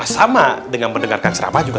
sama dengan mendengarkan serama juga